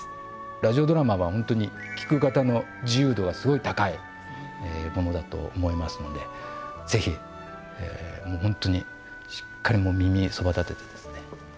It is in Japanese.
ラジオドラマは聞く方の自由度がすごい高いものだと思いますのでぜひ、もう本当にしっかり、耳そばだててですね